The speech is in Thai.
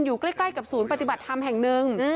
อยู่ใกล้กับศูนย์ปฏิบัติธรรมแห่งหนึ่ง